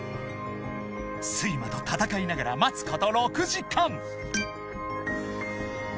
［睡魔と闘いながら待つこと６時間］